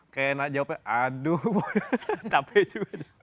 kayak enak jawabnya aduh capek juga